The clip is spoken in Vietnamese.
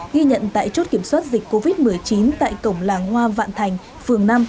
ghi nhận tại chốt kiểm soát dịch covid một mươi chín tại cổng làng hoa vạn thành phường năm